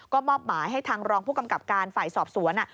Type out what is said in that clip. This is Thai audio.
ก็มอบหมายให้ทางรองผู้กำกับการฝ่ายสอบสวน